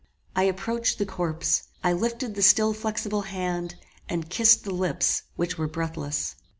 I approached the corpse: I lifted the still flexible hand, and kissed the lips which were breathless.